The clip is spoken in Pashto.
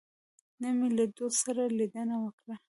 نن مې له دوست سره لیدنه وکړه.